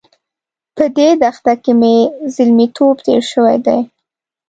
په دې دښته کې مې زلميتوب تېر شوی دی.